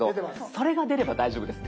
それが出れば大丈夫です。